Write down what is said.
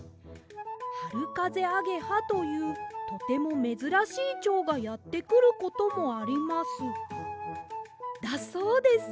『はるかぜアゲハ』というとてもめずらしいチョウがやってくることもあります」だそうです。